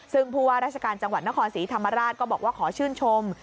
ซึ่งผู้ว่าราชการจังหวัดนครศรีธรรมราชก็บอกว่าขอชื่นชม